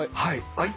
はい。